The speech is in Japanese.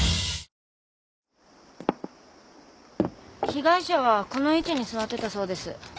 被害者はこの位置に座ってたそうです。